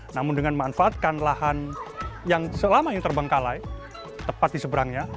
namun dengan memanfaatkan lahan yang selama ini terbengkalai tepat di seberangnya